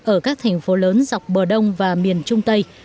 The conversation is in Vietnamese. ở các thành phố lớn dọc bờ đông và miền trung tây